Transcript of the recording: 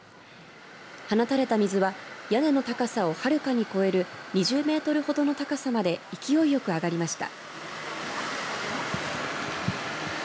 放たれた水は屋根の高さをはるかに超える２０メートルほどの高さまで勢いよく上がりました。